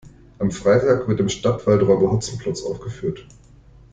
Am Freitag wird im Stadtwald Räuber Hotzenplotz aufgeführt.